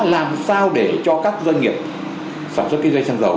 làm sao để cho các doanh nghiệp sản xuất cái dây xăng dầu